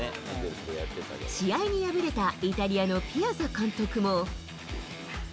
試合に敗れたイタリアのピアザ監督も。